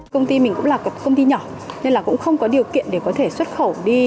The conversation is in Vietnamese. công ty mình cũng là công ty nhỏ nên là cũng không có điều kiện để có thể xuất khẩu đi